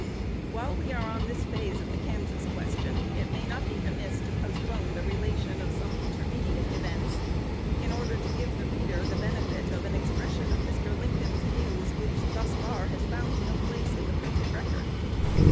While we are upon this phase of the Kansas question, it may not be amiss to postpone the relation of some intermediate events, in order to give the reader the benefit of an expression of Mr. Lincoln's views, which thus far has found place in no printed record.